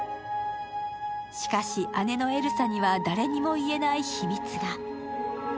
しかし、姉のエルサには誰にも言えない秘密が。